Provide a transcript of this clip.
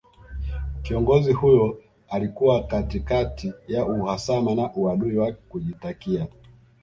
Kiongozi huyo alikuwa katikati ya uhasama na uadui wa kujitakia